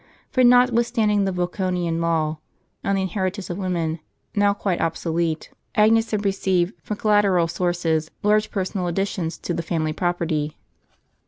For, notwithstanding the Yoconian law "on the inheritance of women," t now quite obsolete, Agnes had received, from collateral sources, large personal additions to the family property.